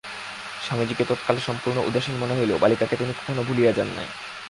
স্বামীজীকে তৎকালে সম্পূর্ণ উদাসীন মনে হইলেও বালিকাকে তিনি কখনও ভুলিয়া যান নাই।